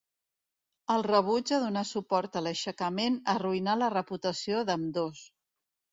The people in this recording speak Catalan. El rebuig a donar suport a l'aixecament arruïnà la reputació d'ambdós.